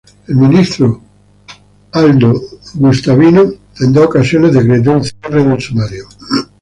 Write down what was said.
El Ministro Aldo Guastavino en dos ocasiones decretó el cierre del sumario.